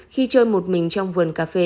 khi chơi một mình trong vườn cà phê